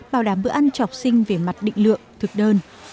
bảo đảm bữa ăn cho học sinh về mặt định lượng thực đơn